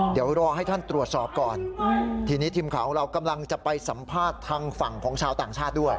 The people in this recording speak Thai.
เดี๋ยวรอให้ท่านตรวจสอบก่อนทีนี้ทีมข่าวของเรากำลังจะไปสัมภาษณ์ทางฝั่งของชาวต่างชาติด้วย